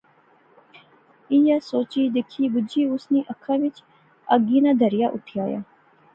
ایہہ سوچی، دیکھی، بجی اس نیں اکھی وچ اگی ناں دریا اٹھی آیا